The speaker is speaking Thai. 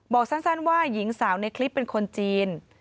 บอกสั้นว่าหญิงสาวในคลิปเป็นคนจีน